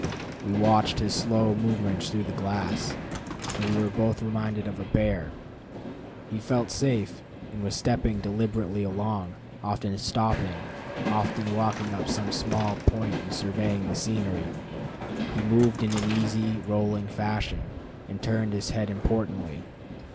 We watched his slow movements through the glass, and were both reminded of a bear. He felt safe, and was stepping deliberately along, often stopping, often walking up some small point and surveying the scenery. He moved in an easy, rolling fashion, and turned his head importantly.